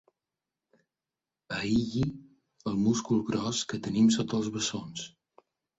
Aïlli el múscul gros que tenim sota els bessons.